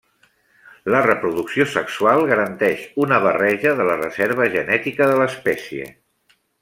La reproducció sexual garanteix una barreja de la reserva genètica de l'espècie.